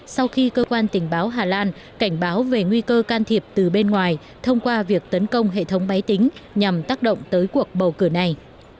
sau khi cơ quan tình báo hà lan cảnh báo về nguy cơ can thiệp từ bên ngoài thông qua việc tấn công hệ thống máy tính nhằm tác động tới cuộc bầu cử này